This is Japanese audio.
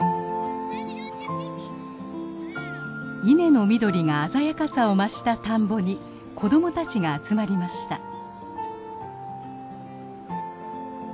稲の緑が鮮やかさを増した田んぼに子供たちが集まりました。